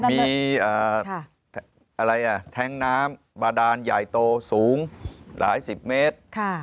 เนินมีอ่าอะไรอ่ะแทงน้ำบาดานใหญ่โตสูงหลายสิบเมตรค่ะ